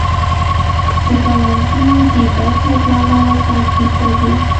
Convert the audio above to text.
د ګاونډیو د بد نیت له امله کړکېچ ته ځو.